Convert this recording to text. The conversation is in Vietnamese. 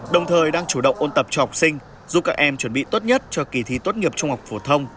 đồng thời đang chủ động ôn tập cho học sinh giúp các em chuẩn bị tốt nhất cho kỳ thi tốt nghiệp trung học phổ thông